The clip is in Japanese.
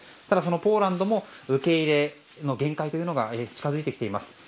ただポーランドも受け入れの限界が近づいてきています。